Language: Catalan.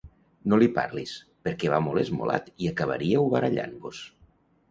No li parlis, perquè va molt esmolat i acabaríeu barallant-vos.